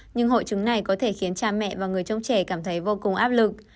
nhưng hội trứng này có thể khiến cha mẹ và người chống trẻ cảm thấy vô cùng áp lực